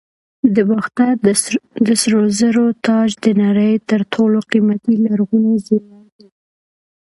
د باختر د سرو زرو تاج د نړۍ تر ټولو قیمتي لرغوني زیور دی